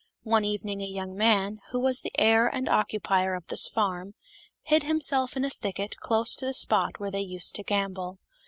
One evening a young man, who was the heir and occupier of this farm, hid himself in a thicket close to the spot where they used to gambol.